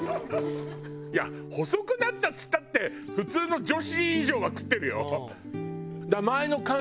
いや細くなったっつったって普通の女子以上は食ってるよ。